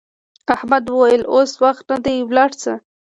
احمد وویل اوس وخت نه دی لاړ شه.